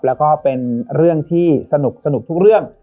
แล้วก็เป็นเรื่องที่สนุกทุกเรื่อง